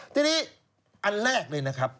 ทีนี้อันแรกเลยนะครับ